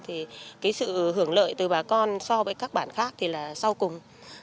thì cái sự hưởng lợi từ bà con so với các bản khác thì là sau cùng